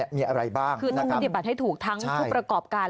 มีอะไรบ้างคือต้องปฏิบัติให้ถูกทั้งผู้ประกอบการ